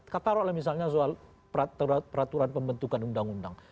katakanlah misalnya soal peraturan pembentukan undang undang